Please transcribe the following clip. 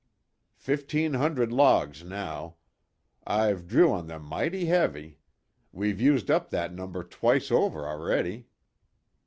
"Fifteen hundred logs now. I've drew on them mighty heavy. We've used up that number twice over a'ready.